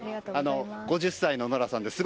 ５０歳のノラさんです。